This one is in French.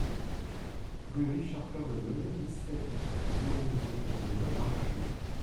Rue RICHARD COEUR DE LION, dix-sept, zéro zéro zéro La Rochelle